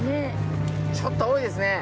ちょっと多いですね。